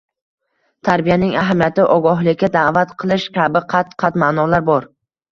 tarbiyaning ahamiyati, ogohlikka da’vat qilish kabi qat-qat ma’nolar bor.